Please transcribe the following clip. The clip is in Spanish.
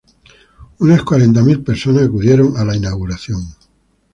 Unas cuarenta mil personas acudieron a la inauguración.